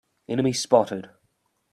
Enemy spotted!